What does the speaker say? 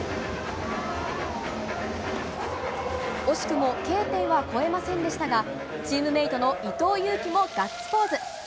惜しくもＫ点は越えませんでしたがチームメートの伊藤有希もガッツポーズ。